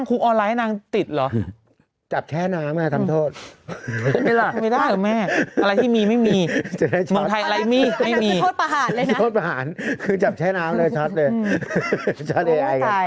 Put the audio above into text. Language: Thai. ผู้หญิงใช่ไหมคะสร้างที่ผมชื่อจำชื่อไม่ได้แล้วสวยอืมมีจำได้